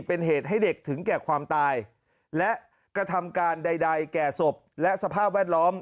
เป็นเหตุให้เด็กถึงแก่ความตายและกระทำการใดแก่ศพและสภาพแวดล้อม